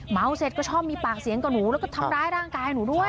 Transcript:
เสร็จก็ชอบมีปากเสียงกับหนูแล้วก็ทำร้ายร่างกายหนูด้วย